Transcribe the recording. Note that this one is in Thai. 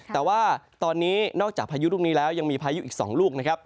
แต่ว่าตอนนี้นอกจากพายุลูกนี้แล้วยังมีพายุอีก๒ลูกนะครับ